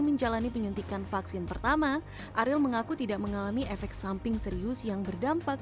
menjalani penyuntikan vaksin pertama ariel mengaku tidak mengalami efek samping serius yang berdampak